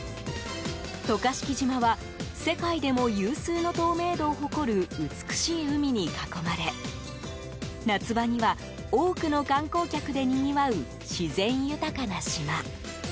渡嘉敷島は、世界でも有数の透明度を誇る美しい海に囲まれ夏場には多くの観光客でにぎわう自然豊かな島。